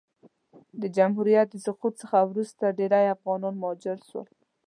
د جمهوریت د سقوط څخه وروسته ډېری افغانان مهاجر سول.